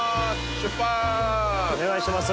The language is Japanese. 出発お願いします